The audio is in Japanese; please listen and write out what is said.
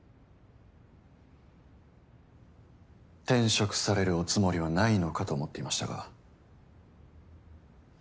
転職されるおつもりはないのかと思っていましたが。